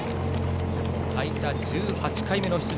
最多１８回目の出場